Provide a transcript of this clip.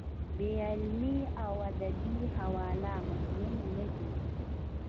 په علمي او ادبي حواله مطمین نه دی.